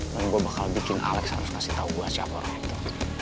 tapi gue bakal bikin alex harus ngasih tau gue siapa orang itu